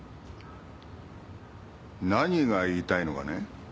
何が言いたいのかね？